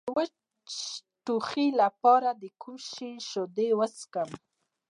د وچ ټوخي لپاره د کوم شي شیدې وڅښم؟